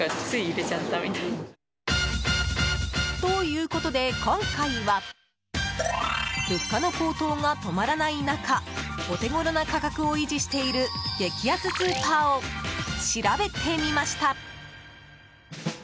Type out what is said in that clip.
ということで、今回は物価の高騰が止まらない中お手ごろな価格を維持している激安スーパーを調べてみました。